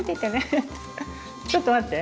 ちょっと待って。